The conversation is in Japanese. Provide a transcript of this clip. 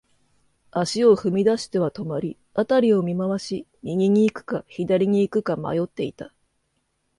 足を踏み出しては止まり、辺りを見回し、右に行くか、左に行くか迷っていた。